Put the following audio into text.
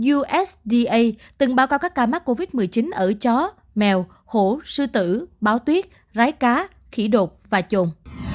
usda từng báo cáo các ca mắc covid một mươi chín ở chó mèo hổ sư tử báo tuyết rái cá khỉ đột và chồn